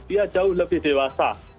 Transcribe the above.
dia jauh lebih dewasa